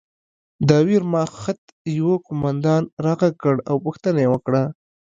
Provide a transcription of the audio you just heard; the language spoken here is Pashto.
د ویرماخت یوه قومندان را غږ کړ او پوښتنه یې وکړه